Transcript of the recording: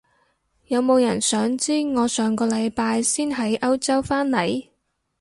有冇人想知我上個禮拜先喺歐洲返嚟？